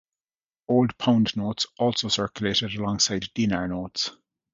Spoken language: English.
Old pound notes also circulated alongside dinar notes.